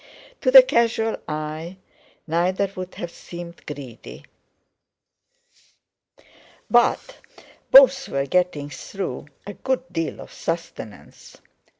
To the casual eye neither would have seemed greedy, but both were getting through a good deal of sustenance.